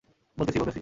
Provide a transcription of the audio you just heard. বলতেসি, বলতেসি।